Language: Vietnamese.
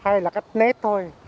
hay là cách nét thôi